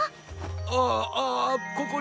あああここに。